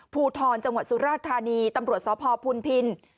ภูทรจังหวัดสุราธารณีตำรวจสภพภูลพินธร์